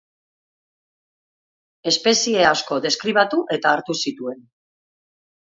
Espezie asko deskribatu eta hartu zituen.